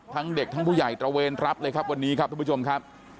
ทั้งเด็กทั้งผู้ใหญ่ตระเวนรับเลยครับวันนี้ครับทุกผู้ชมครับ